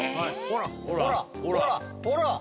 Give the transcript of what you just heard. ほらほらほらほら。